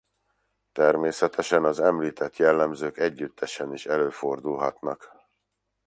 Természetesen az említett jellemzők együttesen is előfordulhatnak.